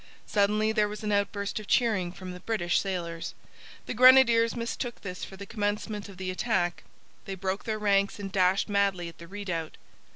Suddenly there was an outburst of cheering from the British sailors. The grenadiers mistook this for the commencement of the attack. They broke their ranks and dashed madly at the redoubt.